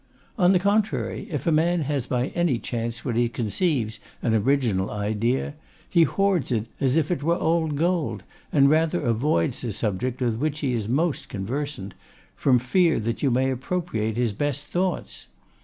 On the contrary, if a man has by any chance what he conceives an original idea, he hoards it as if it were old gold; and rather avoids the subject with which he is most conversant, from fear that you may appropriate his best thoughts.